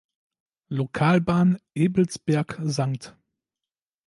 Lokalbahn Ebelsberg–St.